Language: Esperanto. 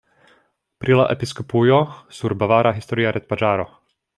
Pri la episkopujo sur bavara historia retpaĝaro.